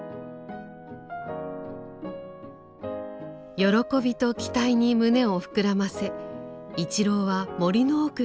喜びと期待に胸を膨らませ一郎は森の奥へと向かいます。